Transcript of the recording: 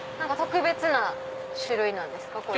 特別な種類なんですか？